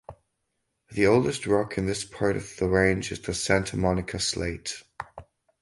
The oldest rock in this part of the range is the Santa Monica Slate.